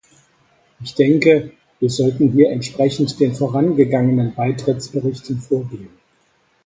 Ich denke, wir sollten hier entsprechend den vorangegangenen Beitrittsberichten vorgehen.